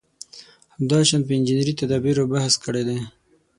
همداشان په انجنیري تدابېرو بحث کړی دی.